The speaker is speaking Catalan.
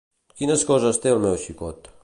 Quines coses té el meu xicot